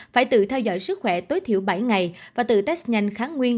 phải tự theo dõi sức khỏe tối thiểu bảy ngày và tự test nhanh kháng nguyên